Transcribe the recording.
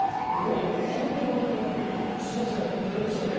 ホントに覚えてなくて「すいません誰でしたっけ？」